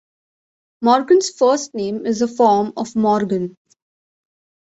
Morcant's first name is a form of Morgan.